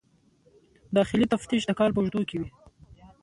داخلي تفتیش د کال په اوږدو کې وي.